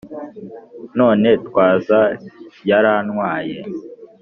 "None Twaza" yarantwaye